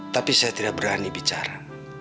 tapi saya tidak berani bicara